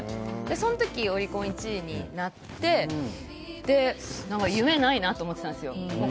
その時、オリコン１位になって夢ないなって思ってたんですよ。